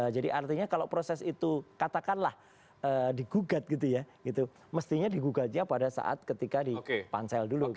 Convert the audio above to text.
jadi artinya kalau proses itu katakanlah digugat gitu ya gitu mestinya digugatnya pada saat ketika di pansel dulu